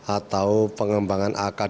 atau pengembangan ilmu pengetahuan